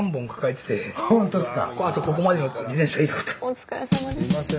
お疲れさまです。